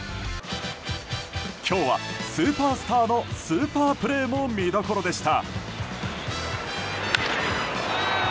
今日はスーパースターのスーパープレーも見どころでした。